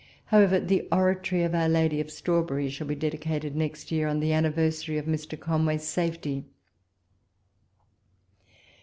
However, the oratory of our Lady of Strawberry shall be dedicated next year on the anniversary of Mr. Conway's safety.